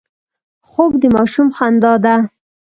خوب د ماشوم خندا ده